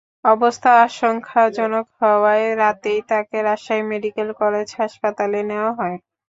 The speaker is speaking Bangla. অবস্থা আশঙ্কাজনক হওয়ায় রাতেই তাঁকে রাজশাহী মেডিকেল কলেজ হাসপাতালে নেওয়া হয়।